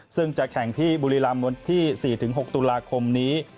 ซึ่งจะแข่งที่บุรีรำวันที่๔๖ตุลาคมนี้